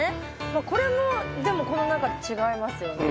まあこれもでもこの中で違いますよね。